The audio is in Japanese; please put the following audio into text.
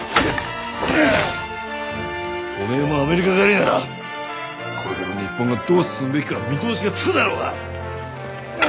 おめえもアメリカ帰りならこれから日本がどう進むべきか見通しがつくだろうが！